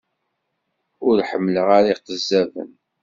Ur ḥemmleɣ ara iqezzaben.